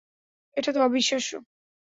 এটা তো অবিশ্বাস্য!